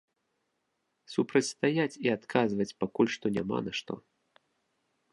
Супрацьстаяць і адказваць пакуль што няма на што.